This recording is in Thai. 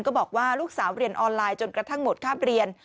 ก็บอกว่าลูกสาวเรียนออนไลน์จนกระทั่งหมดคาบเรียน